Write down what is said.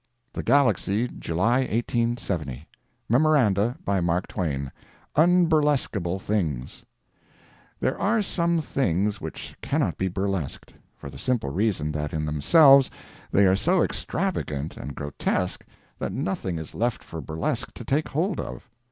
THE GALAXY, July 1870 MEMORANDA. BY MARK TWAIN. UNBURLESQUABLE THINGS. There are some things which cannot be burlesqued, for the simple reason that in themselves they are so extravagant and grotesque that nothing is left for burlesque to take hold of.